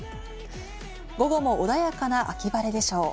午後も穏やかな秋晴れでしょう。